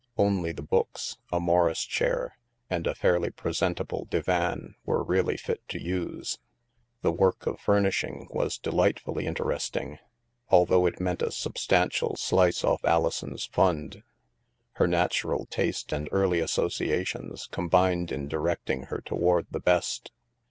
Only the boqks, a Morris chair, and a fairly presentable divan, were really fit to use. The work of furnishing was delightfully inter esting, although it meant a substantial slice off Ali son's fund. Her natural taste and early associa tions combined in directing her toward the best.